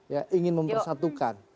ya ingin mempersatukan